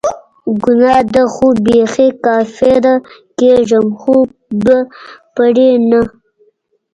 ګناه ده خو بیخي کافره کیږم خو به پری نه